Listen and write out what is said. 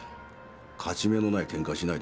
勝ち目のないケンカはしないでしょう。